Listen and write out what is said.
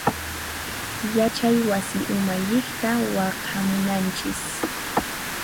Yachay wasi umalliqta waqhamunanchis.